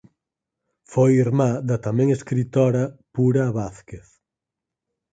Foi irmá da tamén escritora Pura Vázquez.